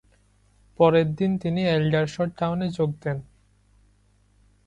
পরের দিন তিনি এল্ডারশট টাউনে যোগ দেন।